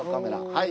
はい。